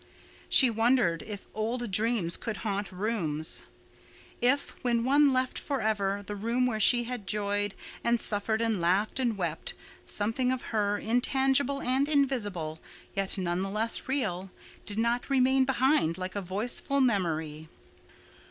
She wondered if old dreams could haunt rooms—if, when one left forever the room where she had joyed and suffered and laughed and wept, something of her, intangible and invisible, yet nonetheless real, did not remain behind like a voiceful memory.